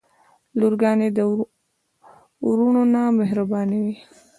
لورګانې د وروڼه نه مهربانې وی.